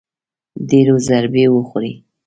ډېرو ضربې وخوړې